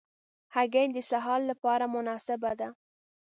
هګۍ د سهار له پاره مناسبه ده.